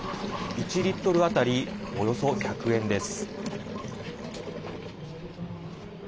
１リットル当たりおよそ１００円です。